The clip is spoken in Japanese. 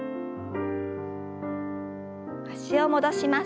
脚を戻します。